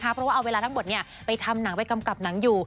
เพราะว่าเอาเวลาทั้งหมดไปทำหนังไปกำกับหนังอยู่